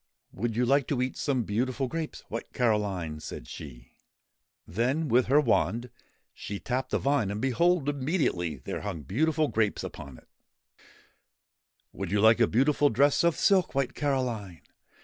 ' Would you like to eat some beautiful grapes, White Caroline ?' said she. Then with her wand she tapped a vine, and behold, immediately there hung beautiful grapes upon it 1 'Would you like a beautiful dress of silk, White Caroline?'